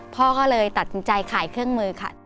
พ่อก็เลยตัดสินใจขายเครื่องมือค่ะ